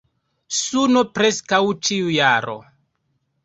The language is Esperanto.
Suno preskaŭ ĉiu jaro.